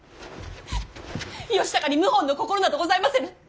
義高に謀反の心などございませぬ。